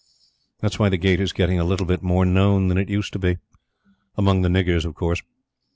That's why the Gate is getting a little bit more known than it used to be. Among the niggers of course.